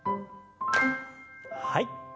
はい。